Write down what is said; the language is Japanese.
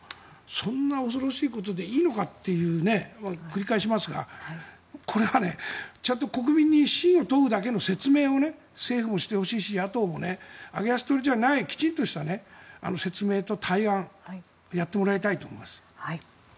そんな恐ろしいことでいいのかって繰り返しますが、これはちゃんと国民に信を問うだけの説明を政府もしてほしいし野党も揚げ足取りじゃないきちんとした説明と対案をやってもらいたいと思います。